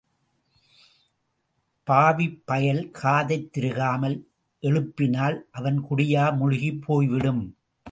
பாவிப் பயல் காதைத் திருகாமல் எழுப்பினால், அவன் குடியா முழுகிப் போய்விடும்?